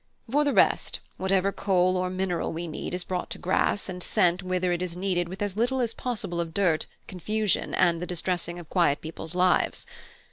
For the rest, whatever coal or mineral we need is brought to grass and sent whither it is needed with as little as possible of dirt, confusion, and the distressing of quiet people's lives.